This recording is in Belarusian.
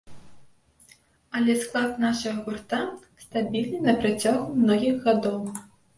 Але склад нашага гурта стабільны на працягу многіх гадоў.